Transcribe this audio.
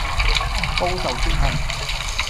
報仇雪恨